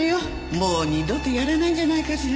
もう二度とやらないんじゃないかしら。